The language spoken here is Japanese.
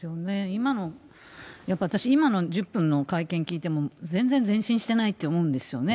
今のやっぱり今の１０分の会見聞いても、全然前進してないって思うんですよね。